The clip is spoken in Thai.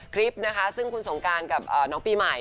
คลิปนะคะที่ส่งการภายละกับน้องปีใหม่